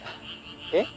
えっ？